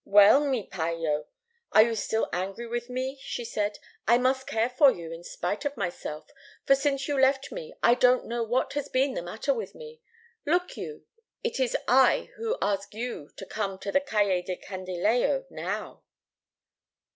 "'Well, mi payllo, are you still angry with me?' she said. 'I must care for you in spite of myself, for since you left me I don't know what has been the matter with me. Look you, it is I who ask you to come to the Calle del Candilejo, now!